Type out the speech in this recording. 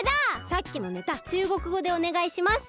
さっきのネタ中国語でおねがいします！